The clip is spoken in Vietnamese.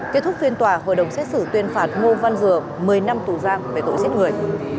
kết thúc phiên tòa hội đồng xét xử tuyên phạt ngô văn dừa một mươi năm tù giam về tội giết người